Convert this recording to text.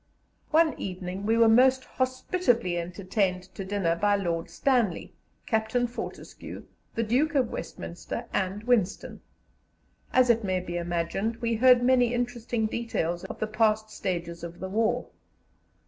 One evening we were most hospitably entertained to dinner by Lord Stanley, Captain Fortescue, the Duke of Westminster, and Winston. As it may be imagined, we heard many interesting details of the past stages of the war.